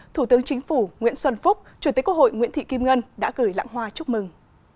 thủ tướng chính phủ nguyễn xuân phúc chủ tịch quốc hội nguyễn thị kim ngân đã gửi lãng hoa chúc mừng